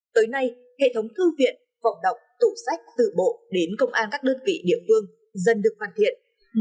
tới nay hệ thống thư viện phòng đọc tủ sách từ bộ đến công an các đơn vị địa phương dần được hoàn thiện